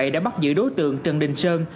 đã bắt giữ đối tượng trần đình sơn